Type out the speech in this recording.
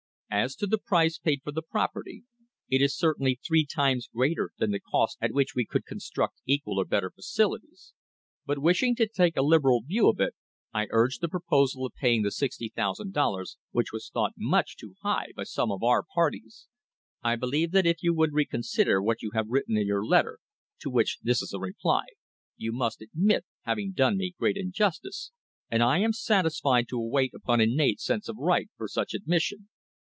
As to the price paid for the property, it is certainly three times greater than the cost at which we could construct equal or better facilities; but wishing to take a liberal view of it, I urged the proposal of paying the #60,000, which was thought much too high by some of our parties. I believe that if you would recon sider what you have written in your letter, to which this is a reply, you must admit having done me great injustice, and I am satisfied to await upon innate sense of right for such admission.